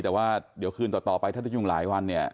แต่ว่าเดี๋ยวคืนต่อไปถ้าที่ยุ่งหลายวัน